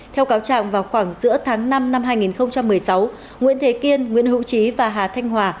theo cáo trạng vào khoảng giữa tháng năm năm hai nghìn một mươi sáu nguyễn thế kiên nguyễn hữu trí và hà thanh hòa